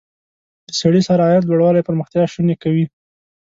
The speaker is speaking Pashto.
د سړي سر عاید لوړوالی پرمختیا شونې کوي.